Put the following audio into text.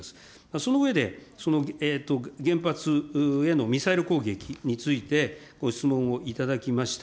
その上で、その原発へのミサイル攻撃についてご質問をいただきました。